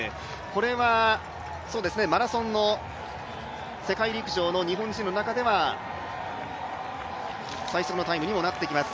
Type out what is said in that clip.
これはマラソンの世界陸上の日本人の中では最速のタイムにもなってきます。